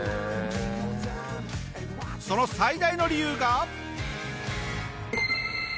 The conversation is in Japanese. その最大の理由が。